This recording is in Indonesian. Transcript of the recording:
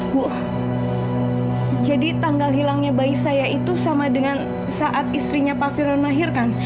bu jadi tanggal hilangnya bayi saya itu sama dengan saat istrinya pak firlan melahirkan